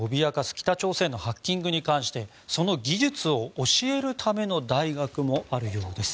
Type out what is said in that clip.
北朝鮮のハッキングに関してその技術を教えるための大学もあるようです。